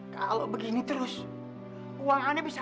kalo begini terus uang aneh bisa ludes